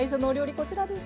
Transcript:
こちらです。